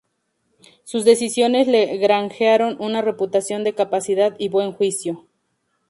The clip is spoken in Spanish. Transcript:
Sus decisiones le granjearon una reputación de capacidad y buen juicio.